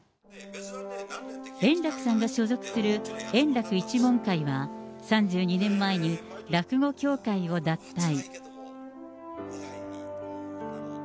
円楽さんの所属する円楽一門会は、３２年前に落語協会を脱退。